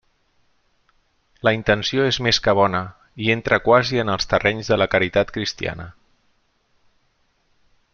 La intenció és més que bona i entra quasi en els terrenys de la caritat cristiana.